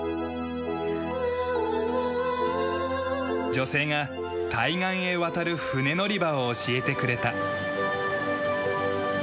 女性が対岸へ渡る船乗り場を教えてくれた。